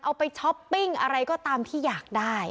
เอาไปช้อปปิ้งอะไรก็ตามที่อยากได้